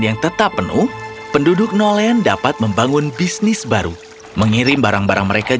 yang tetap penuh penduduk nolen dapat membangun bisnis baru mengirim barang barang mereka